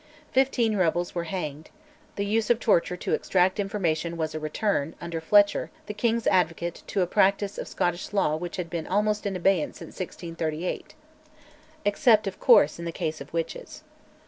Fifteen rebels were hanged: the use of torture to extract information was a return, under Fletcher, the King's Advocate, to a practice of Scottish law which had been almost in abeyance since 1638 except, of course, in the case of witches.